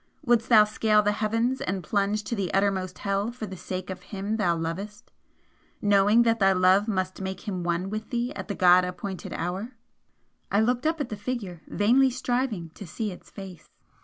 Wouldst thou scale the heavens and plunge to the uttermost hell for the sake of him thou lovest, knowing that thy love must make him one with thee at the God appointed hour?" I looked up at the Figure, vainly striving to see its face.